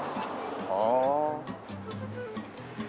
ああ。